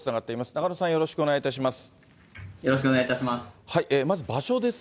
なかのさん、よろしくお願いいたします。